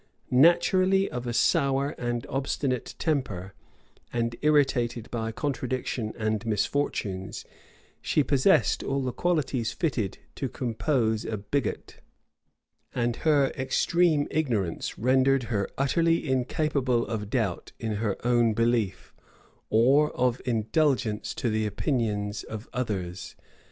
Naturally of a sour and obstinate temper, and irritated by contradiction and misfortunes, she possessed all the qualities fitted to compose a bigot; and her extreme ignorance rendered her utterly incapable of doubt in her own belief, or of indulgence to the opinions of others.